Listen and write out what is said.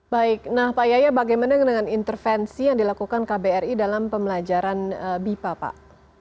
baik nah pak yaya bagaimana dengan intervensi yang dilakukan kbri dalam pembelajaran bipa pak